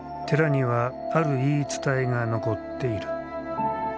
寺にはある言い伝えが残っている。